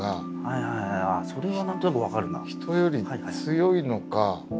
人より強いのか